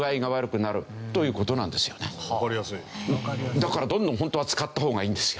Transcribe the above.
だからどんどん本当は使った方がいいんですよ。